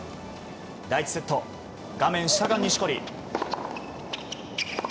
第１セット、画面下が錦織。